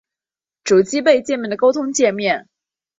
主机埠介面的沟通介面。